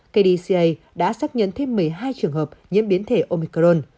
kdca đã xác nhận thêm một mươi hai trường hợp nhiễm biến thể omicron